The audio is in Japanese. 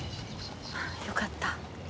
よかった。